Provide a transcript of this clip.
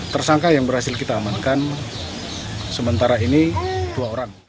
tersangka yang berhasil kita amankan sementara ini dua orang